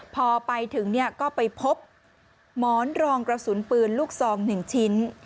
พอไปถึงก็ไปพบหมอนรองกระสุนปืนลูกซอง๑ชิ้น